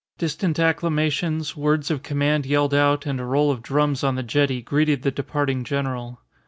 Distant acclamations, words of command yelled out, and a roll of drums on the jetty greeted the departing general.